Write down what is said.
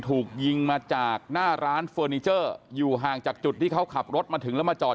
ถูกยิงมาจากหน้าร้านเฟอร์นิเจอร์อยู่ห่างจากจุดที่เขาขับรถมาถึงแล้วมาจอด